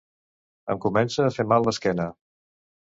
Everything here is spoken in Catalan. Em comença a fer mal l'esquena